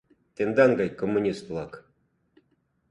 — Тендан гай коммунист-влак!